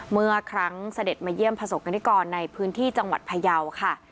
เมื่อครั้งเสด็จมาเยี่ยมประสบกรณิกรในพื้นที่จังหวัดพยาวค่ะ